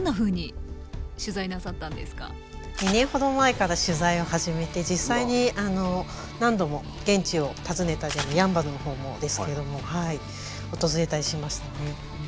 ２年ほど前から取材を始めて実際に何度も現地を訪ねたりやんばるの方もですけども訪れたりしましたね。